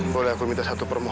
boleh aku minta satu permoho